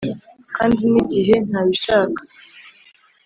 kandi nigihe ntabishaka.